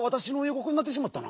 こくになってしまったな。